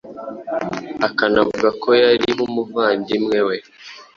Akanavuga ko yari nk’umuvandimwe we,